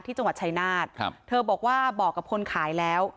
ที่จังหวัดชายนาฏครับเธอบอกว่าบอกกับคนขายแล้ว